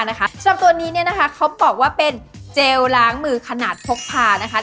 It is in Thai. สำหรับตัวนี้เนี่ยนะคะเขาบอกว่าเป็นเจลล้างมือขนาดพกพานะคะ